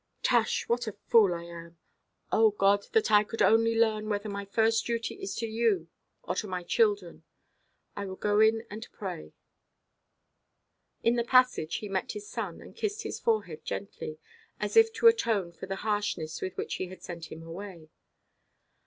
Tush, what a fool I am! Oh God, that I could think! Oh God, that I could only learn whether my first duty is to you, or to my children. I will go in and pray." In the passage he met his son, and kissed his forehead gently, as if to atone for the harshness with which he had sent him away.